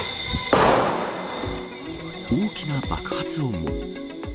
大きな爆発音も。